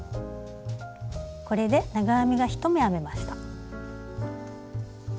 これで長編みが１目編めました。